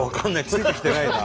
ついてきてないなあ。